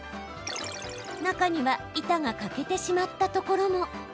中には板が欠けてしまったところも。